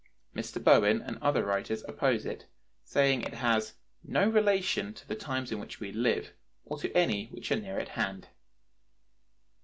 Mr. Bowen(119) and other writers oppose it, saying it has "no relation to the times in which we live, or to any which are near at hand."